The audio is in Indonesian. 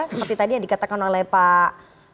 seperti tadi yang dikatakan oleh pak